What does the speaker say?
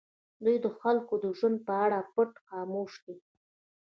دوی د خلکو د ژوند په اړه پټ خاموش دي.